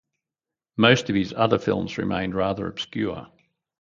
Most of his other films remain rather obscure.